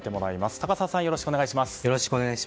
高沢さん、よろしくお願いします。